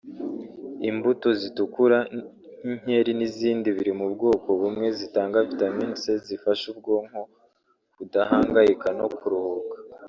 Imbuto zitukura nk’inkeri n’izindi biri mu bwoko bumwe zitanga vitamini C zifasha ubwonko kudahangayika no kuruhuka